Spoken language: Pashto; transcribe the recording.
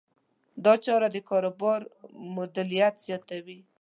دا چاره د کاروبار مولدیت زیاتوي.